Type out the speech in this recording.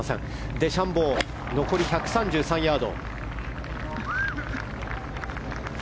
デシャンボー残り１３３ヤード。